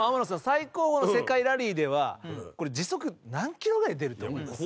最高峰の世界ラリーでは時速何キロぐらい出るって思います？